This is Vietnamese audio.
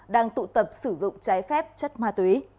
đang tụ tập sử dụng trái phép chất ma túy